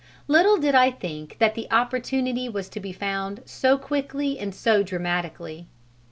Little did I think that the opportunity was to be found so quickly and so dramatically.